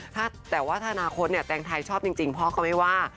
แต่ว่าถ้าอนาคตเนี่ยแตงไทยชอบจริงพ่อก็ไม่ว่า